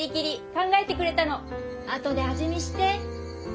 あとで味見して。